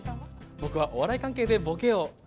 僕はお笑い関係でボケを。